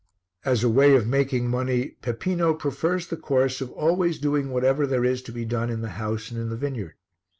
As a way of making money Peppino prefers the course of always doing whatever there is to be done in the house and in the vineyard.